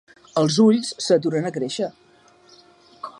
Els ulls s’aturen a créixer.